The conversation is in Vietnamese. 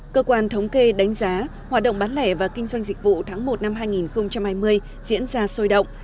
cơ quan thống kê đánh giá hoạt động bán lẻ và kinh doanh dịch vụ tháng một năm hai nghìn hai mươi diễn ra sôi động